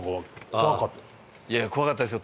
怖かったですよ